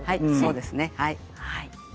そうですね。